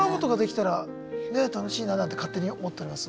そうですね。なんて勝手に思っております